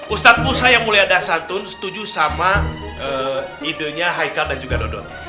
ustaz musa yang mulia dasantun setuju sama idenya haikal dan juga dodol